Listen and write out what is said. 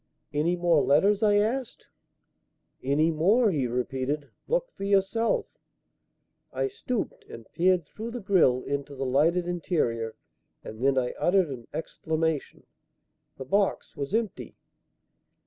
"Any more letters?" I asked. "Any more!" he repeated. "Look for yourself." I stooped and peered through the grille into the lighted interior; and then I uttered an exclamation. The box was empty.